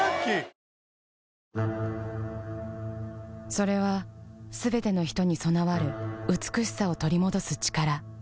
それはすべての人に備わる美しさを取り戻す力